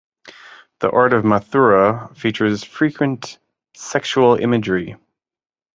The art of Mathura features frequent sexual imagery.